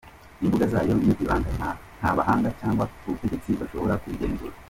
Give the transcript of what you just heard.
Imbuga zayo ni ibanga , nta bahanga cyangwa ubutegetsi bashobora kubigenzura.